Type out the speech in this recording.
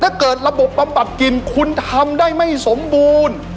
ถ้าเกิดระบบปรับกินคุณทำได้ไม่สมบูรณ์